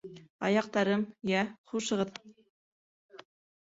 Аяҡтарым, йә, хушығыҙ.